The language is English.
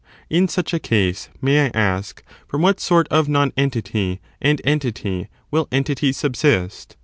In such a case, may I ask, from what sort of nonentity and entity will entities subsist?